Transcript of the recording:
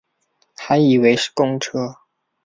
还以为是公车